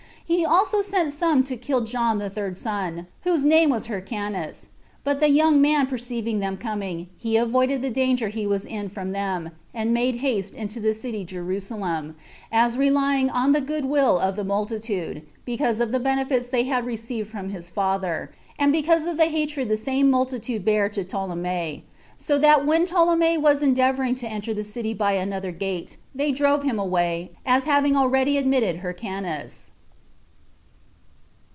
He also sent some to kill John the third son, whose name was Hyrcanus; but the young man perceiving them coming, he avoided the danger he was in from them, 18 and made haste into the city [Jerusalem], as relying on the good will of the multitude, because of the benefits they had received from his father, and because of the hatred the same multitude bare to Ptolemy; so that when Ptolemy was endeavoring to enter the city by another gate, they drove him away, as having already admitted Hyrcanus.